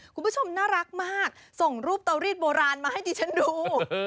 คุณผู้ชมน่ารักมากส่งรูปเตารีดโบราณมาให้ดิฉันดู